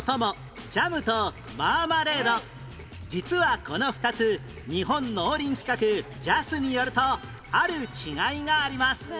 実はこの２つ日本農林規格 ＪＡＳ によるとある違いがあります